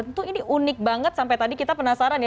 tentu ini unik banget sampai tadi kita penasaran ya